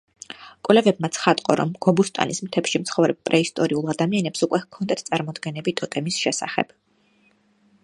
კვლევებმა ცხადყო, რომ გობუსტანის მთებში მცხოვრებ პრეისტორიულ ადამიანებს უკვე ჰქონდათ წარმოდგენები ტოტემის შესახებ.